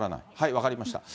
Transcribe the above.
分かりました。